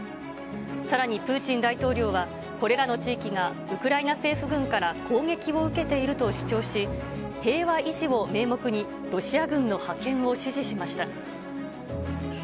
さらにプーチン大統領は、これらの地域がウクライナ政府軍から攻撃を受けていると主張し、平和維持を名目に、ロシア軍の派遣を指示しました。